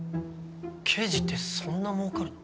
刑事ってそんなもうかるの？